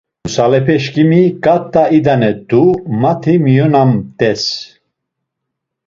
Nusalepeşǩimi ǩat̆a idanet̆u mati miyonamt̆es.